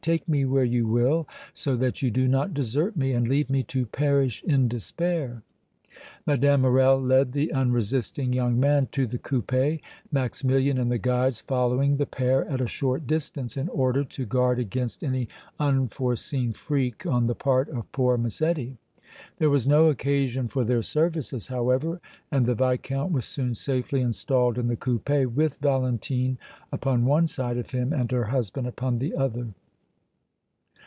"Take me where you will, so that you do not desert me and leave me to perish in despair!" Mme. Morrel led the unresisting young man to the coupé, Maximilian and the guides following the pair at a short distance in order to guard against any unforeseen freak on the part of poor Massetti. There was no occasion for their services, however, and the Viscount was soon safely installed in the coupé with Valentine upon one side of him and her husband upon the other.